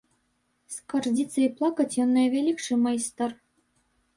Скардзіцца і плакаць ён найвялікшы майстар.